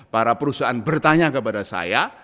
para perusahaan bertanya kepada saya